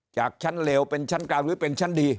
จากชั้นเลวเป็นชั้นกลางหรือเป็นชั้นดี